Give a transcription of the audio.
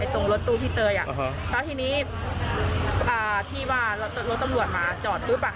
ตรงรถตู้พี่เตยแล้วทีนี้ที่ว่ารถตำรวจมาจอดปุ๊บ